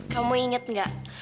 kamu inget gak